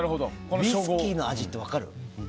ウイスキーの味って分かる？